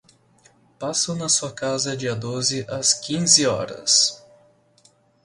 Passo na sua casa dia doze às quinze horas.